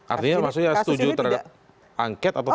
artinya maksudnya setuju terhadap angket atau tidak